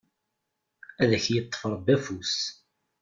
Ad ak-yeṭṭef Rebbi afus!